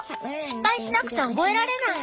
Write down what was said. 失敗しなくちゃ覚えられない。